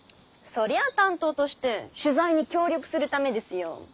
そりゃあ担当として取材に協力するためですよォ。